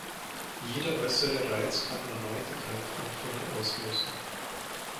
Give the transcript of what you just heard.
Jeder äußere Reiz kann erneute Krampfanfälle auslösen.